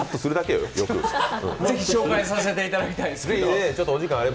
是非紹介させていただきたいですね。